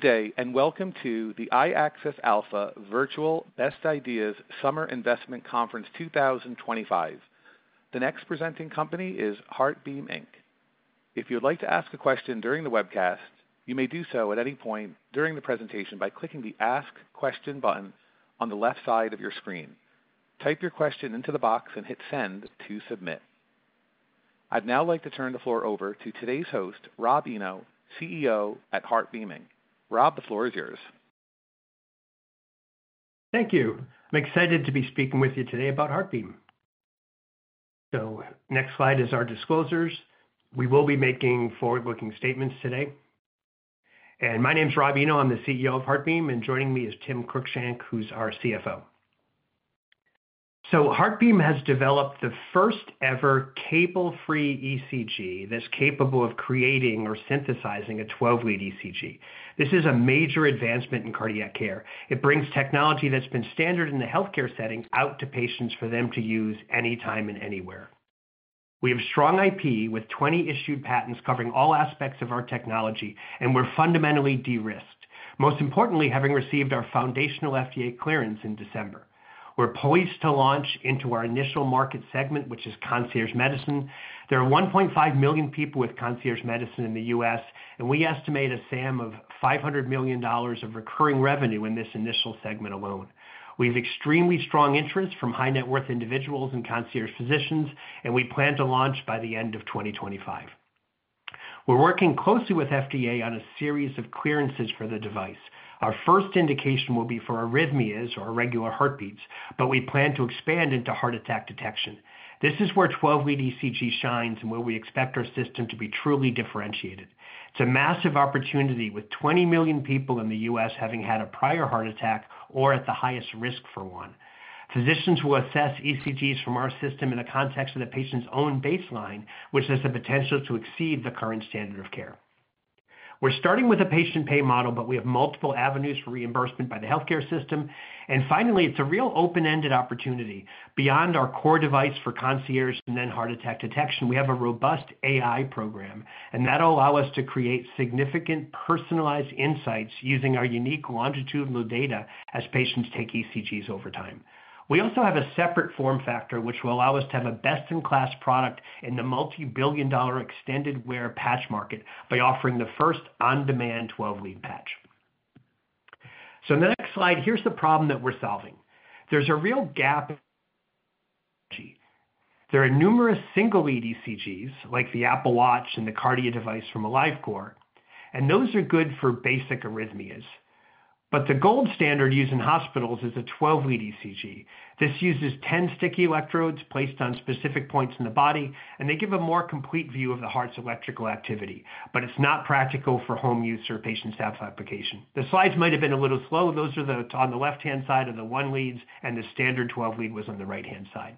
Good day, and welcome to the iACCESS Alpha Virtual Best Ideas Summer Investment Conference 2025. The next presenting company is HeartBeam. If you'd like to ask a question during the webcast, you may do so at any point during the presentation by clicking the Ask Question button on the left side of your screen. Type your question into the box and hit Send to submit. I'd now like to turn the floor over to today's host, Rob Eno, CEO at HeartBeam. Rob, the floor is yours. Thank you. I'm excited to be speaking with you today about HeartBeam. Next slide is our disclosures. We will be making forward-looking statements today. My name is Rob Eno. I'm the CEO of HeartBeam, and joining me is Tim Cruickshank, who's our CFO. HeartBeam has developed the first-ever cable-free ECG that's capable of creating or synthesizing a 12-lead ECG. This is a major advancement in cardiac care. It brings technology that's been standard in the healthcare setting out to patients for them to use anytime and anywhere. We have strong IP with 20 issued patents covering all aspects of our technology, and we're fundamentally de-risked, most importantly having received our foundational FDA clearance in December. We're poised to launch into our initial market segment, which is concierge medicine. There are 1.5 million people with concierge medicine in the U.S., and we estimate a SAM of $500 million of recurring revenue in this initial segment alone. We have extremely strong interest from high-net-worth individuals and concierge physicians, and we plan to launch by the end of 2025. We're working closely with FDA on a series of clearances for the device. Our first indication will be for arrhythmias or irregular heartbeats, but we plan to expand into heart attack detection. This is where 12-lead ECG shines and where we expect our system to be truly differentiated. It's a massive opportunity with 20 million people in the U.S. having had a prior heart attack or at the highest risk for one. Physicians will assess ECGs from our system in the context of the patient's own baseline, which has the potential to exceed the current standard of care. We're starting with a patient-pay model, but we have multiple avenues for reimbursement by the healthcare system. Finally, it's a real open-ended opportunity. Beyond our core device for concierge and then heart attack detection, we have a robust AI program, and that'll allow us to create significant personalized insights using our unique longitudinal data as patients take ECGs over time. We also have a separate form factor which will allow us to have a best-in-class product in the multi-billion-dollar extended wear patch market by offering the first on-demand 12-lead patch. On the next slide, here's the problem that we're solving. There's a real gap. There are numerous single-lead ECGs like the Apple Watch and the Kardia device from AliveCor, and those are good for basic arrhythmias. The gold standard used in hospitals is a 12-lead ECG. This uses 10 sticky electrodes placed on specific points in the body, and they give a more complete view of the heart's electrical activity, but it's not practical for home use or patient staff application. The slides might have been a little slow. Those on the left-hand side are the one leads, and the standard 12-lead was on the right-hand side.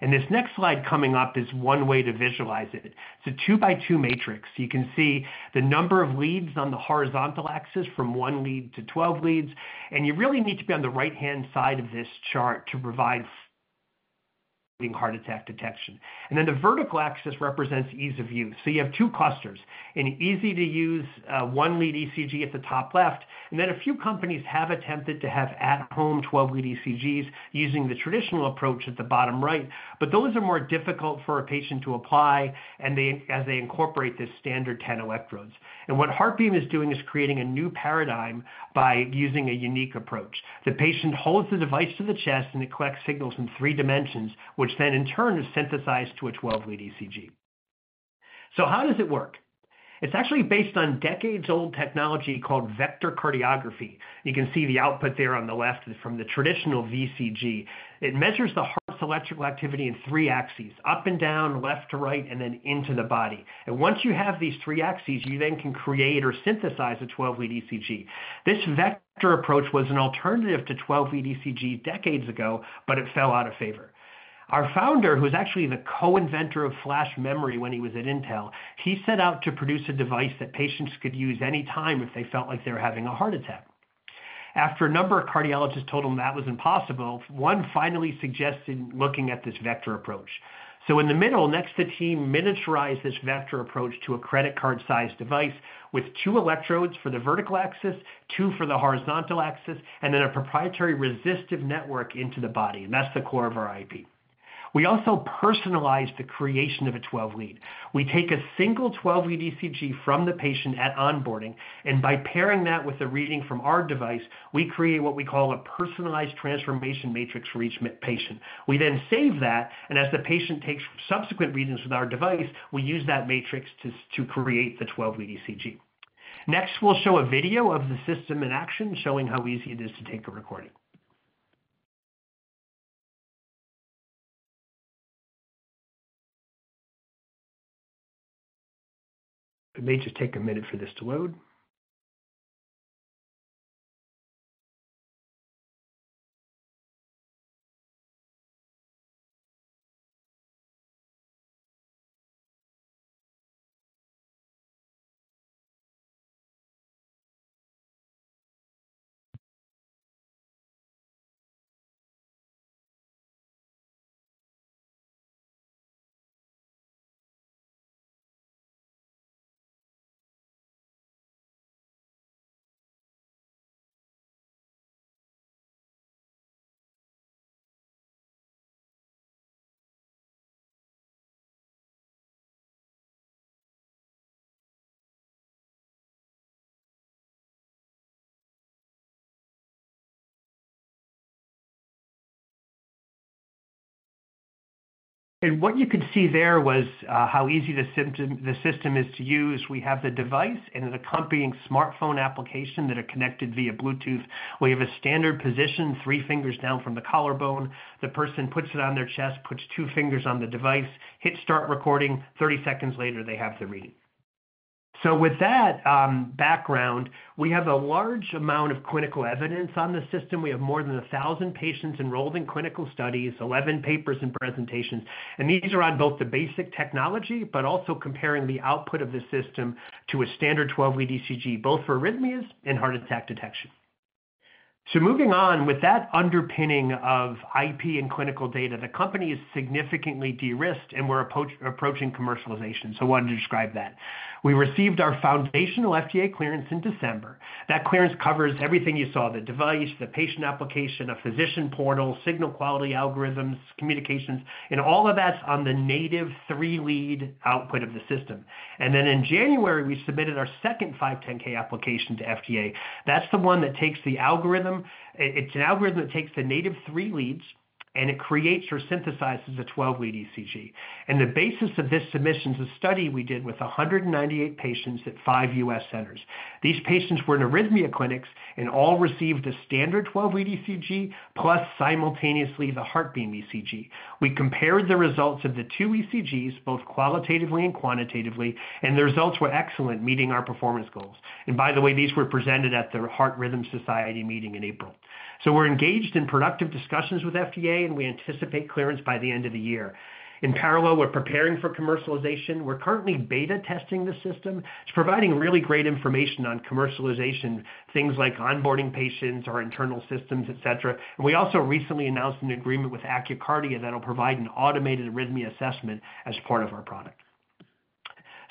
This next slide coming up is one way to visualize it. It's a two-by-two matrix. You can see the number of leads on the horizontal axis from one lead to 12 leads, and you really need to be on the right-hand side of this chart to provide heart attack detection. The vertical axis represents ease of use. You have two clusters: an easy-to-use one-lead ECG at the top left, and then a few companies have attempted to have at-home 12-lead ECGs using the traditional approach at the bottom right, but those are more difficult for a patient to apply as they incorporate this standard 10 electrodes. What HeartBeam is doing is creating a new paradigm by using a unique approach. The patient holds the device to the chest, and it collects signals in three dimensions, which then in turn is synthesized to a 12-lead ECG. How does it work? It's actually based on decades-old technology called vector cardiography. You can see the output there on the left from the traditional VCG. It measures the heart's electrical activity in three axes: up and down, left to right, and then into the body. Once you have these three axes, you then can create or synthesize a 12-lead ECG. This vector approach was an alternative to 12-lead ECG decades ago, but it fell out of favor. Our founder, who's actually the co-inventor of flash memory when he was at Intel, set out to produce a device that patients could use anytime if they felt like they were having a heart attack. After a number of cardiologists told him that was impossible, one finally suggested looking at this vector approach. In the middle, the team miniaturized this vector approach to a credit card-sized device with two electrodes for the vertical axis, two for the horizontal axis, and then a proprietary resistive network into the body. That's the core of our IP. We also personalize the creation of a 12-lead. We take a single 12-lead ECG from the patient at onboarding, and by pairing that with a reading from our device, we create what we call a personalized transformation matrix for each patient. We then save that, and as the patient takes subsequent readings with our device, we use that matrix to create the 12-lead ECG. Next, we'll show a video of the system in action showing how easy it is to take a recording. It may just take a minute for this to load. What you could see there was how easy the system is to use. We have the device and an accompanying smartphone application that are connected via Bluetooth. We have a standard position three fingers down from the collarbone. The person puts it on their chest, puts two fingers on the device, hits start recording. Thirty seconds later, they have the reading. With that background, we have a large amount of clinical evidence on the system. We have more than 1,000 patients enrolled in clinical studies, 11 papers and presentations, and these are on both the basic technology, but also comparing the output of the system to a standard 12-lead ECG, both for arrhythmias and heart attack detection. Moving on, with that underpinning of IP and clinical data, the company is significantly de-risked, and we're approaching commercialization. I wanted to describe that. We received our foundational FDA clearance in December. That clearance covers everything you saw: the device, the patient application, a physician portal, signal quality algorithms, communications, and all of that's on the native three-lead output of the system. In January, we submitted our second 510(k) application to FDA. That's the one that takes the algorithm. It's an algorithm that takes the native three leads, and it creates or synthesizes a 12-lead ECG. The basis of this submission is a study we did with 198 patients at five U.S. centers. These patients were in arrhythmia clinics and all received a standard 12-lead ECG plus simultaneously the HeartBeam ECG. We compared the results of the two ECGs, both qualitatively and quantitatively, and the results were excellent, meeting our performance goals. By the way, these were presented at the Heart Rhythm Society meeting in April. We're engaged in productive discussions with FDA, and we anticipate clearance by the end of the year. In parallel, we're preparing for commercialization. We're currently beta testing the system. It's providing really great information on commercialization, things like onboarding patients, our internal systems, etc. We also recently announced an agreement with AccurKardia that'll provide an automated arrhythmia assessment as part of our product.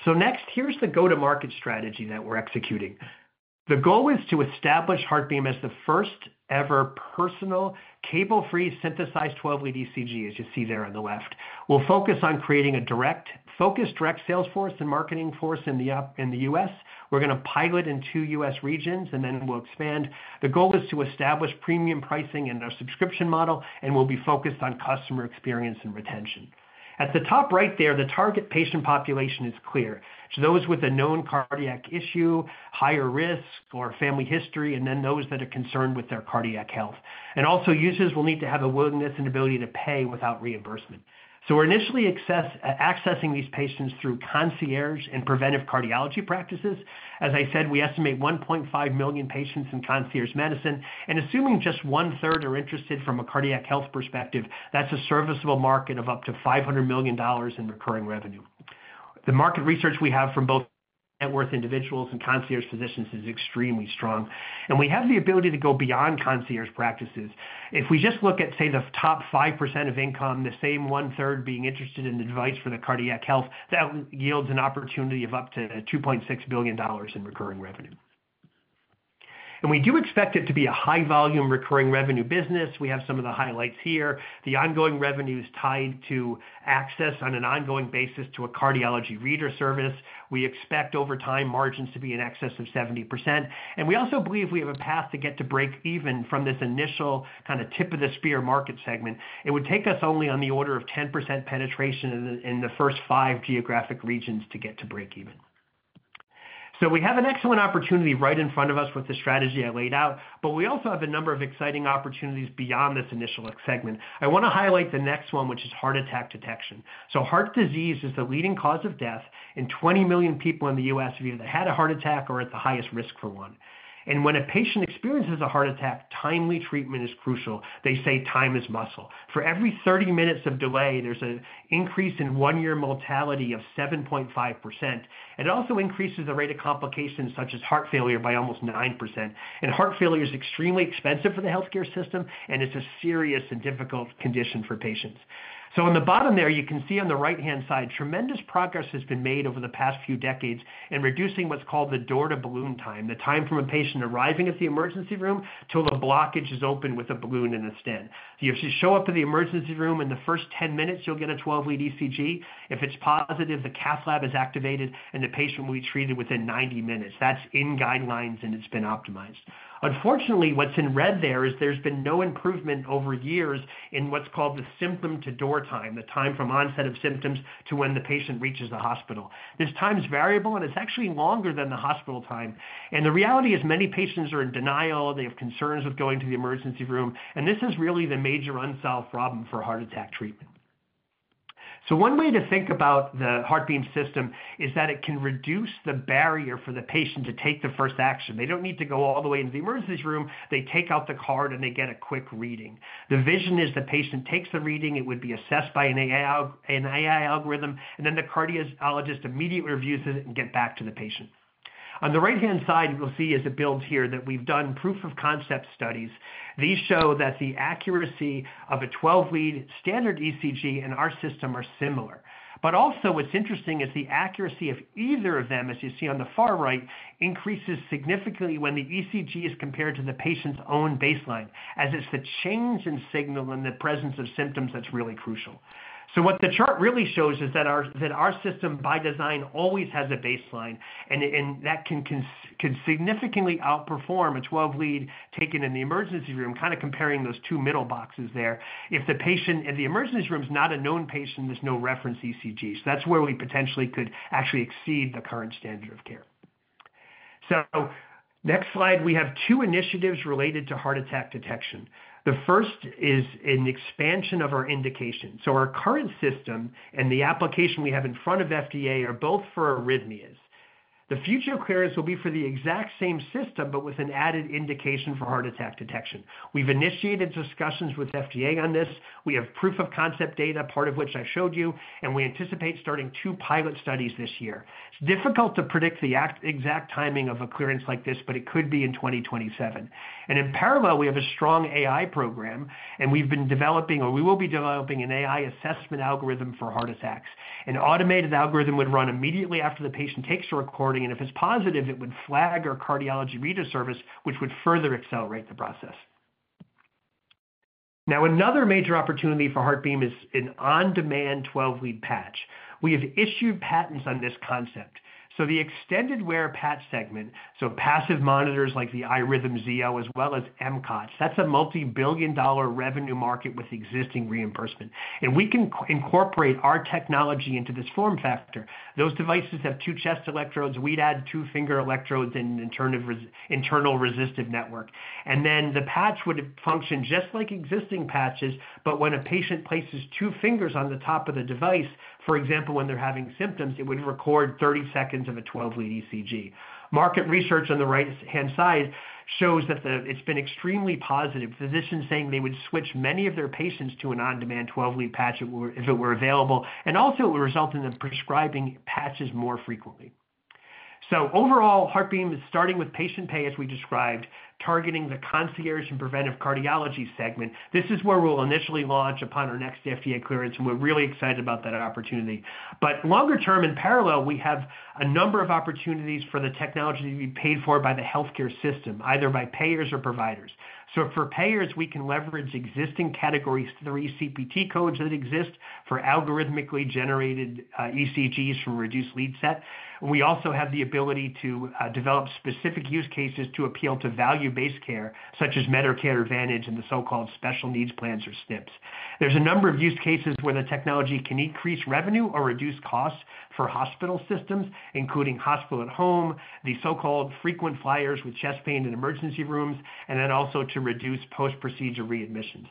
Next, here's the go-to-market strategy that we're executing. The goal is to establish HeartBeam as the first-ever personal, cable-free synthesized 12-lead ECG, as you see there on the left. We'll focus on creating a direct focus, direct sales force and marketing force in the U.S. We're going to pilot in two U.S. regions, and then we'll expand. The goal is to establish premium pricing and our subscription model, and we'll be focused on customer experience and retention. At the top right there, the target patient population is clear. It's those with a known cardiac issue, higher risk, or family history, and then those that are concerned with their cardiac health. Also, users will need to have a willingness and ability to pay without reimbursement. We're initially accessing these patients through concierge and preventive cardiology practices. As I said, we estimate 1.5 million patients in concierge medicine. Assuming just one-third are interested from a cardiac health perspective, that's a serviceable market of up to $500 million in recurring revenue. The market research we have from both net-worth individuals and concierge physicians is extremely strong. We have the ability to go beyond concierge practices. If we just look at, say, the top 5% of income, the same one-third being interested in the device for the cardiac health, that yields an opportunity of up to $2.6 billion in recurring revenue. We do expect it to be a high-volume recurring revenue business. We have some of the highlights here. The ongoing revenue is tied to access on an ongoing basis to a cardiology reader service. We expect over time margins to be in excess of 70%. We also believe we have a path to get to break even from this initial kind of tip-of-the-sphere market segment. It would take us only on the order of 10% penetration in the first five geographic regions to get to break even. We have an excellent opportunity right in front of us with the strategy I laid out, but we also have a number of exciting opportunities beyond this initial segment. I want to highlight the next one, which is heart attack detection. Heart disease is the leading cause of death in 20 million people in the U.S. that either had a heart attack or are at the highest risk for one. When a patient experiences a heart attack, timely treatment is crucial. They say time is muscle. For every 30 minutes of delay, there's an increase in one-year mortality of 7.5%. It also increases the rate of complications such as heart failure by almost 9%. Heart failure is extremely expensive for the healthcare system, and it's a serious and difficult condition for patients. On the bottom there, you can see on the right-hand side, tremendous progress has been made over the past few decades in reducing what's called the door-to-balloon time, the time from a patient arriving at the emergency room till the blockage is open with a balloon and a stent. If you show up to the emergency room in the first 10 minutes, you'll get a 12-lead ECG. If it's positive, the cath lab is activated, and the patient will be treated within 90 minutes. That's in guidelines, and it's been optimized. Unfortunately, what's in red there is there's been no improvement over years in what's called the symptom-to-door time, the time from onset of symptoms to when the patient reaches the hospital. This time is variable, and it's actually longer than the hospital time. The reality is many patients are in denial. They have concerns with going to the emergency room, and this is really the major unsolved problem for heart attack treatment. One way to think about the HeartBeam system is that it can reduce the barrier for the patient to take the first action. They don't need to go all the way into the emergency room. They take out the card, and they get a quick reading. The vision is the patient takes the reading. It would be assessed by an AI algorithm, and then the cardiologist immediately reviews it and gets back to the patient. On the right-hand side, you'll see as it builds here that we've done proof-of-concept studies. These show that the accuracy of a 12-lead standard ECG and our system are similar. What's interesting is the accuracy of either of them, as you see on the far right, increases significantly when the ECG is compared to the patient's own baseline, as it's the change in signal and the presence of symptoms that's really crucial. What the chart really shows is that our system, by design, always has a baseline, and that can significantly outperform a 12-lead taken in the emergency room, kind of comparing those two middle boxes there. If the patient in the emergency room is not a known patient, there's no reference ECG. That's where we potentially could actually exceed the current standard of care. Next slide, we have two initiatives related to heart attack detection. The first is an expansion of our indication. Our current system and the application we have in front of FDA are both for arrhythmias. The future clearance will be for the exact same system, but with an added indication for heart attack detection. We've initiated discussions with FDA on this. We have proof-of-concept data, part of which I showed you, and we anticipate starting two pilot studies this year. It's difficult to predict the exact timing of a clearance like this, but it could be in 2027. In parallel, we have a strong AI program, and we've been developing, or we will be developing, an AI assessment algorithm for heart attacks. An automated algorithm would run immediately after the patient takes a recording, and if it's positive, it would flag our cardiology reader service, which would further accelerate the process. Now, another major opportunity for HeartBeam is an on-demand 12-lead patch. We have issued patents on this concept. The extended wear patch segment, so passive monitors like the iRhythm Zio, as well as MCOTs, that's a multi-billion dollar revenue market with existing reimbursement. We can incorporate our technology into this form factor. Those devices have two chest electrodes. We'd add two finger electrodes and an internal resistive network. The patch would function just like existing patches, but when a patient places two fingers on the top of the device, for example, when they're having symptoms, it would record 30 seconds of a 12-lead ECG. Market research on the right-hand side shows that it's been extremely positive, physicians saying they would switch many of their patients to an on-demand 12-lead patch if it were available, and also it would result in them prescribing patches more frequently. So overall, HeartBeam is starting with patient pay, as we described, targeting the concierge and preventive cardiology segment. This is where we'll initially launch upon our next FDA clearance, and we're really excited about that opportunity. Longer term, in parallel, we have a number of opportunities for the technology to be paid for by the healthcare system, either by payers or providers. For payers, we can leverage existing category three CPT codes that exist for algorithmically generated ECGs from reduced lead set. We also have the ability to develop specific use cases to appeal to value-based care, such as Medicare Advantage and the so-called special needs plans or SNPs. There are a number of use cases where the technology can increase revenue or reduce costs for hospital systems, including hospital at home, the so-called frequent flyers with chest pain in emergency rooms, and also to reduce post-procedure readmissions.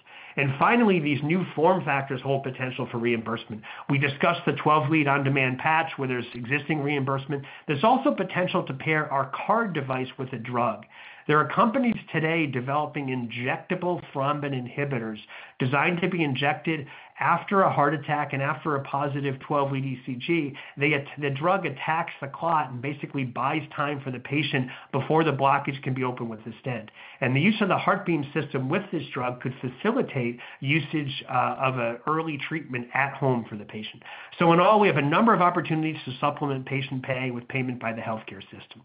Finally, these new form factors hold potential for reimbursement. We discussed the 12-lead on-demand patch where there is existing reimbursement. There is also potential to pair our card device with a drug. There are companies today developing injectable thrombin inhibitors designed to be injected after a heart attack and after a positive 12-lead ECG. The drug attacks the clot and basically buys time for the patient before the blockage can be opened with the stent. The use of the HeartBeam System with this drug could facilitate usage of an early treatment at home for the patient. In all, we have a number of opportunities to supplement patient pay with payment by the healthcare system.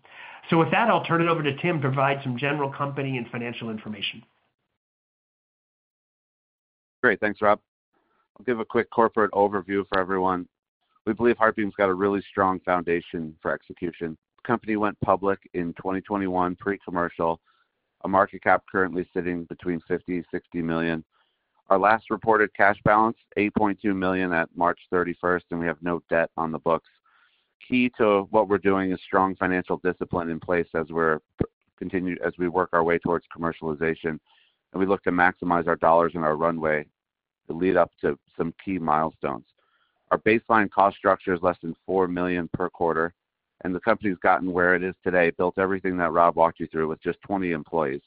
With that, I'll turn it over to Tim to provide some general company and financial information. Great. Thanks, Rob. I'll give a quick corporate overview for everyone. We believe HeartBeam's got a really strong foundation for execution. The company went public in 2021, pre-commercial, a market cap currently sitting between $50 million and $60 million. Our last reported cash balance, $8.2 million at March 31, and we have no debt on the books. Key to what we're doing is strong financial discipline in place as we work our way towards commercialization, and we look to maximize our dollars and our runway to lead up to some key milestones. Our baseline cost structure is less than $4 million per quarter, and the company's gotten where it is today, built everything that Rob walked you through with just 20 employees.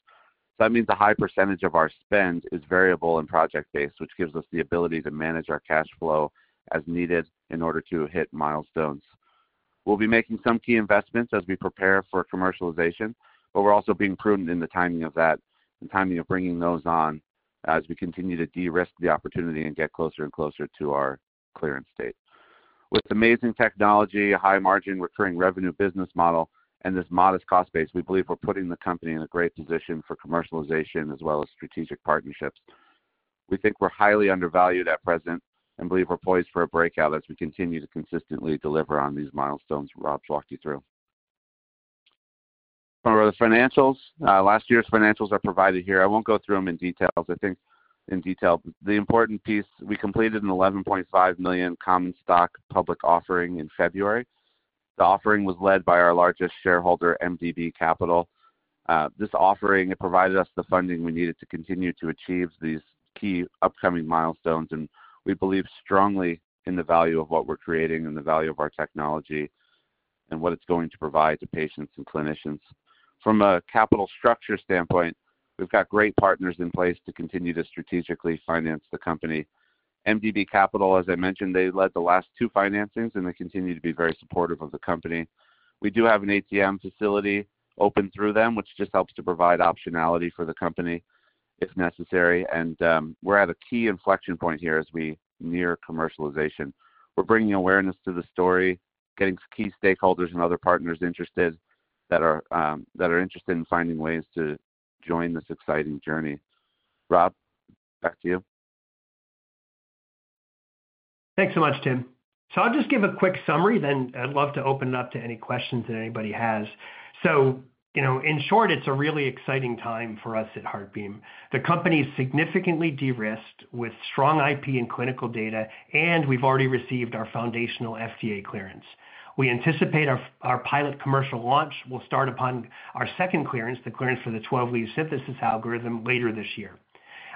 That means a high percentage of our spend is variable and project-based, which gives us the ability to manage our cash flow as needed in order to hit milestones. We'll be making some key investments as we prepare for commercialization, but we're also being prudent in the timing of that, the timing of bringing those on as we continue to de-risk the opportunity and get closer and closer to our clearance date. With amazing technology, a high-margin recurring revenue business model, and this modest cost base, we believe we're putting the company in a great position for commercialization as well as strategic partnerships. We think we're highly undervalued at present and believe we're poised for a breakout as we continue to consistently deliver on these milestones Rob's walked you through. Over the financials, last year's financials are provided here. I won't go through them in detail, I think, in detail. The important piece, we completed an $11.5 million common stock public offering in February. The offering was led by our largest shareholder, MDB Capital. This offering, it provided us the funding we needed to continue to achieve these key upcoming milestones, and we believe strongly in the value of what we're creating and the value of our technology and what it's going to provide to patients and clinicians. From a capital structure standpoint, we've got great partners in place to continue to strategically finance the company. MDB Capital, as I mentioned, they led the last two financings, and they continue to be very supportive of the company. We do have an ATM facility open through them, which just helps to provide optionality for the company if necessary. We are at a key inflection point here as we near commercialization. We are bringing awareness to the story, getting key stakeholders and other partners interested that are interested in finding ways to join this exciting journey. Rob, back to you. Thanks so much, Tim. I will just give a quick summary, then I would love to open it up to any questions that anybody has. In short, it is a really exciting time for us at HeartBeam. The company is significantly de-risked with strong IP and clinical data, and we have already received our foundational FDA clearance. We anticipate our pilot commercial launch will start upon our second clearance, the clearance for the 12-lead synthesis algorithm later this year.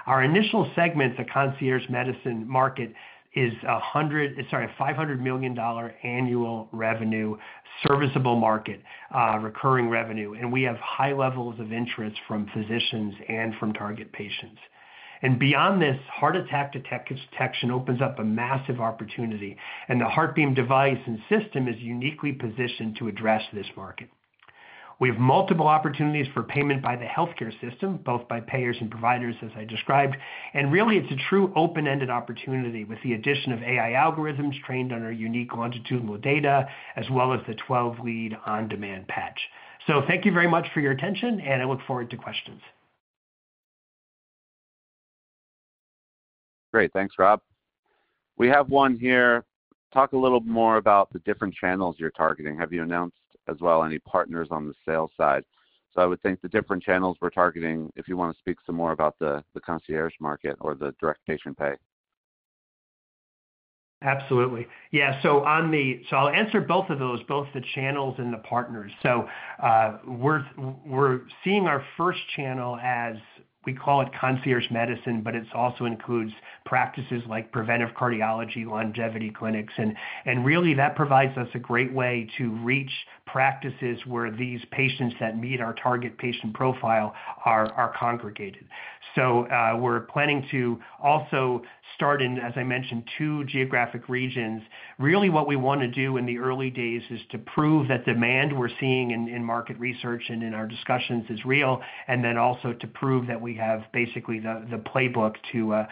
Our initial segment, the concierge medicine market, is a $500 million annual revenue serviceable market, recurring revenue, and we have high levels of interest from physicians and from target patients. Beyond this, heart attack detection opens up a massive opportunity, and the HeartBeam device and system is uniquely positioned to address this market. We have multiple opportunities for payment by the healthcare system, both by payers and providers, as I described. Really, it's a true open-ended opportunity with the addition of AI algorithms trained on our unique longitudinal data, as well as the 12-lead on-demand patch. Thank you very much for your attention, and I look forward to questions. Great. Thanks, Rob. We have one here. Talk a little more about the different channels you're targeting. Have you announced as well any partners on the sales side? I would think the different channels we're targeting, if you want to speak some more about the concierge market or the direct patient pay. Absolutely. Yeah. I'll answer both of those, both the channels and the partners. We're seeing our first channel as we call it concierge medicine, but it also includes practices like preventive cardiology, longevity clinics, and really that provides us a great way to reach practices where these patients that meet our target patient profile are congregated. We're planning to also start in, as I mentioned, two geographic regions. Really, what we want to do in the early days is to prove that demand we're seeing in market research and in our discussions is real, and then also to prove that we have basically the playbook to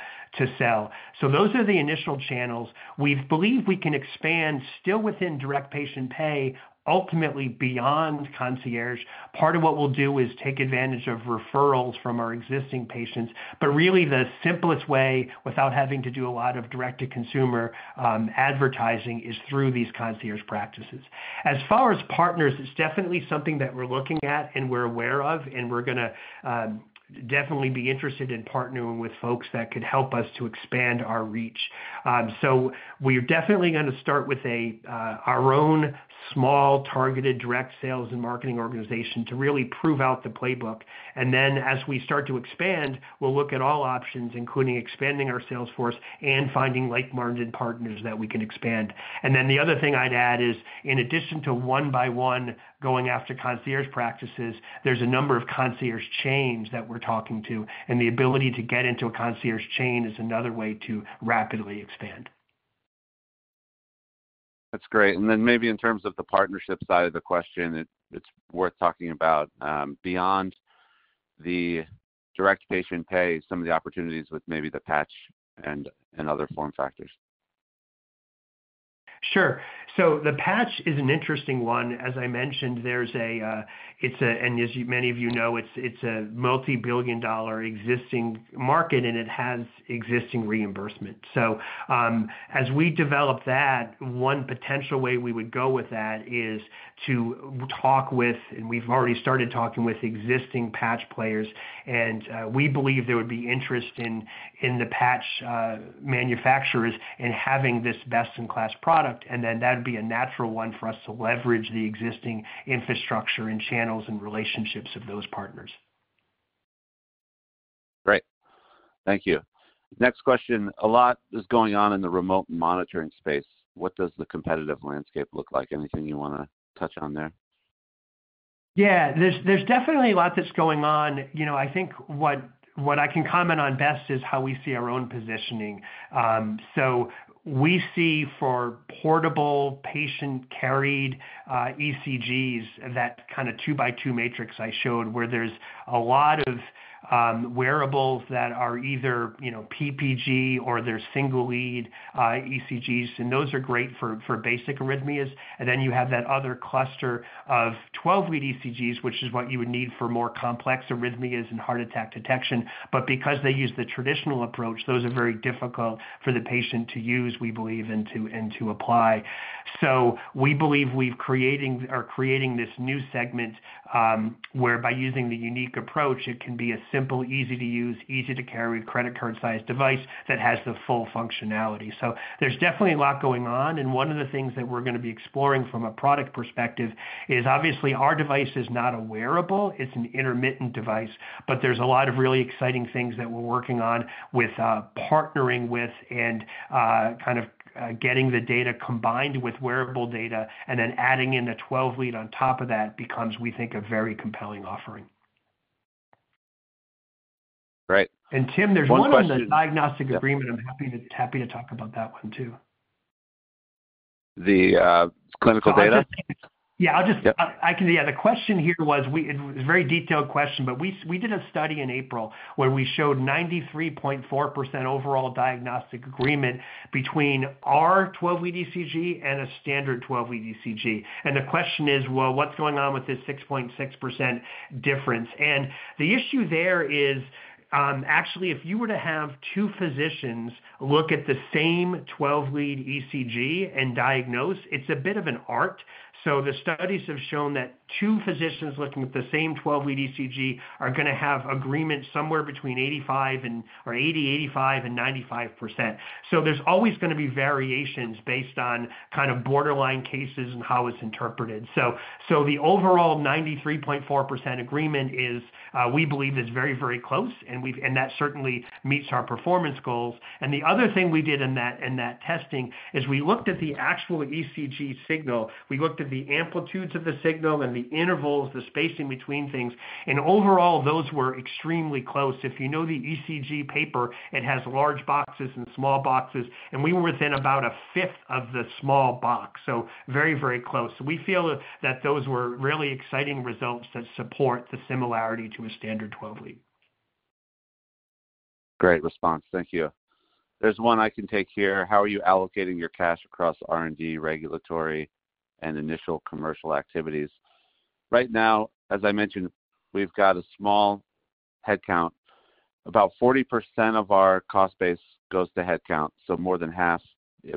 sell. Those are the initial channels. We believe we can expand still within direct patient pay, ultimately beyond concierge. Part of what we'll do is take advantage of referrals from our existing patients, but really the simplest way without having to do a lot of direct-to-consumer advertising is through these concierge practices. As far as partners, it's definitely something that we're looking at and we're aware of, and we're going to definitely be interested in partnering with folks that could help us to expand our reach. We're definitely going to start with our own small targeted direct sales and marketing organization to really prove out the playbook. Then as we start to expand, we'll look at all options, including expanding our sales force and finding like-minded partners that we can expand. The other thing I'd add is, in addition to one-by-one going after concierge practices, there's a number of concierge chains that we're talking to, and the ability to get into a concierge chain is another way to rapidly expand. That's great. Maybe in terms of the partnership side of the question, it's worth talking about beyond the direct patient pay, some of the opportunities with maybe the patch and other form factors. Sure. The patch is an interesting one. As I mentioned, and as many of you know, it's a multi-billion dollar existing market, and it has existing reimbursement. As we develop that, one potential way we would go with that is to talk with, and we've already started talking with, existing patch players, and we believe there would be interest in the patch manufacturers in having this best-in-class product, and then that would be a natural one for us to leverage the existing infrastructure and channels and relationships of those partners. Great. Thank you. Next question. A lot is going on in the remote monitoring space. What does the competitive landscape look like? Anything you want to touch on there? Yeah. There's definitely a lot that's going on. I think what I can comment on best is how we see our own positioning. We see for portable patient-carried ECGs, that kind of two-by-two matrix I showed where there's a lot of wearables that are either PPG or they're single-lead ECGs, and those are great for basic arrhythmias. Then you have that other cluster of 12-lead ECGs, which is what you would need for more complex arrhythmias and heart attack detection. Because they use the traditional approach, those are very difficult for the patient to use, we believe, and to apply. We believe we're creating this new segment where, by using the unique approach, it can be a simple, easy-to-use, easy-to-carry credit card-sized device that has the full functionality. There's definitely a lot going on, and one of the things that we're going to be exploring from a product perspective is, obviously, our device is not a wearable. It's an intermittent device, but there's a lot of really exciting things that we're working on with partnering with and kind of getting the data combined with wearable data, and then adding in the 12-lead on top of that becomes, we think, a very compelling offering. Great. And Tim, there's one on the diagnostic agreement. I'm happy to talk about that one too. The clinical data? Yeah. I'll just, yeah, the question here was, it was a very detailed question, but we did a study in April where we showed 93.4% overall diagnostic agreement between our 12-lead ECG and a standard 12-lead ECG. And the question is, what's going on with this 6.6% difference? And the issue there is, actually, if you were to have two physicians look at the same 12-lead ECG and diagnose, it's a bit of an art. The studies have shown that two physicians looking at the same 12-lead ECG are going to have agreement somewhere between 80%, 85%, and 95%. There is always going to be variations based on kind of borderline cases and how it is interpreted. The overall 93.4% agreement is, we believe, very, very close, and that certainly meets our performance goals. The other thing we did in that testing is we looked at the actual ECG signal. We looked at the amplitudes of the signal and the intervals, the spacing between things, and overall, those were extremely close. If you know the ECG paper, it has large boxes and small boxes, and we were within about a fifth of the small box, so very, very close. We feel that those were really exciting results that support the similarity to a standard 12-lead. Great response. Thank you. There's one I can take here. How are you allocating your cash across R&D, regulatory, and initial commercial activities? Right now, as I mentioned, we've got a small headcount. About 40% of our cost base goes to headcount, so more than half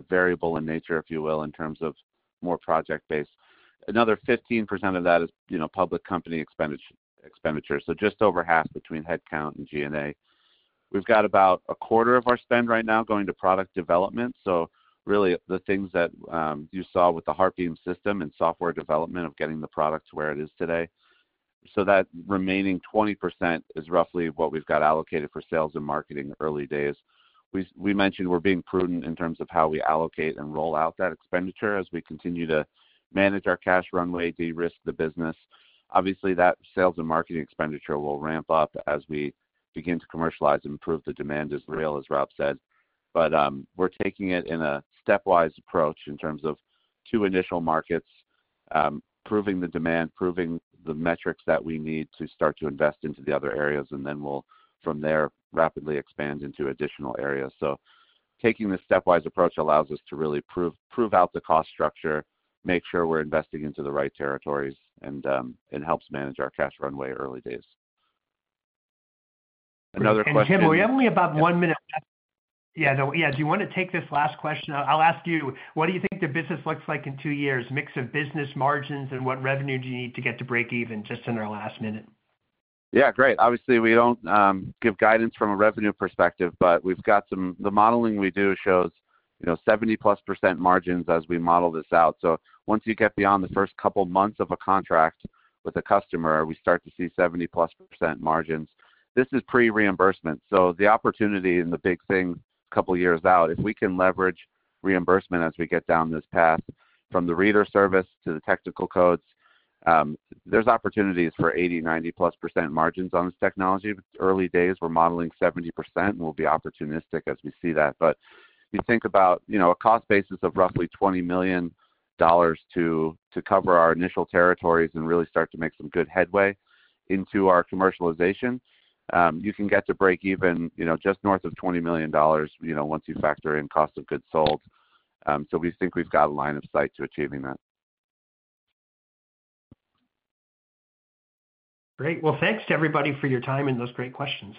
variable in nature, if you will, in terms of more project-based. Another 15% of that is public company expenditure, so just over half between headcount and G&A. We've got about a quarter of our spend right now going to product development, so really the things that you saw with the HeartBeam System and software development of getting the product to where it is today. That remaining 20% is roughly what we've got allocated for sales and marketing early days. We mentioned we're being prudent in terms of how we allocate and roll out that expenditure as we continue to manage our cash runway, de-risk the business. Obviously, that sales and marketing expenditure will ramp up as we begin to commercialize and prove the demand is real, as Rob said, but we're taking it in a stepwise approach in terms of two initial markets, proving the demand, proving the metrics that we need to start to invest into the other areas, and then we'll, from there, rapidly expand into additional areas. Taking the stepwise approach allows us to really prove out the cost structure, make sure we're investing into the right territories, and it helps manage our cash runway early days. Another question. Tim, we have only about one minute left. Yeah. Yeah. Do you want to take this last question? I'll ask you, what do you think the business looks like in two years? Mix of business margins and what revenue do you need to get to break even just in our last minute? Yeah. Great. Obviously, we do not give guidance from a revenue perspective, but we have got some, the modeling we do shows 70%+ margins as we model this out. Once you get beyond the first couple of months of a contract with a customer, we start to see 70%+ margins. This is pre-reimbursement. The opportunity and the big thing a couple of years out, if we can leverage reimbursement as we get down this path from the reader service to the technical codes, there are opportunities for 80%-90%+ margins on this technology. Early days, we are modeling 70%, and we will be opportunistic as we see that. If you think about a cost basis of roughly $20 million to cover our initial territories and really start to make some good headway into our commercialization, you can get to break even just north of $20 million once you factor in cost of goods sold. We think we've got a line of sight to achieving that. Great. Thanks to everybody for your time and those great questions.